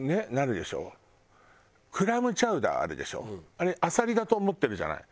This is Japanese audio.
あれアサリだと思ってるじゃない。